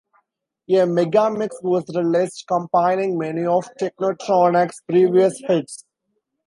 A megamix was released compiling many of Technotronic's previous hits.